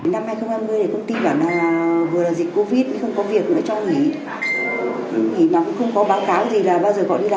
năm hai nghìn hai mươi công ty bảo là vừa là dịch covid không có việc nữa cho nghỉ